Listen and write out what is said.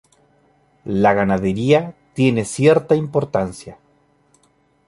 La ganadería tiene cierta importancia.